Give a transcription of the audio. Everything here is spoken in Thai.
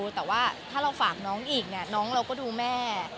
แต่ว่าถ้าเราฝากน้องอีกเนี่ยน้องเราก็ดูแม่